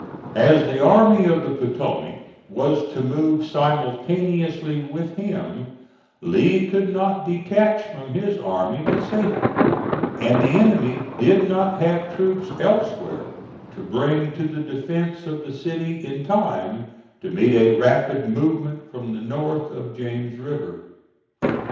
As the Army of the Potomac was to move simultaneously with him, Lee could not detach from his army with safety, and the enemy did not have troops elsewhere to bring to the defence of the city in time to meet a rapid movement from the north of James River.